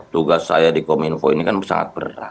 tugas saya di kominfo ini kan sangat berat